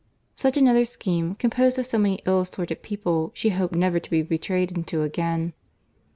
Such another scheme, composed of so many ill assorted people, she hoped never to be betrayed into again.